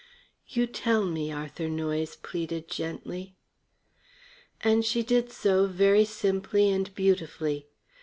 "You tell me," Arthur Noyes pleaded gently. And she did so very simply and beautifully.